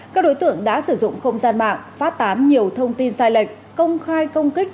các đối tượng đã sử dụng không gian mạng phát tán nhiều thông tin sai lệch công khai công kích